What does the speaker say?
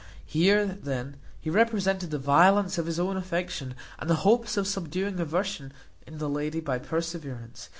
Here then he represented the violence of his own affection, and the hopes of subduing aversion in the lady by perseverance.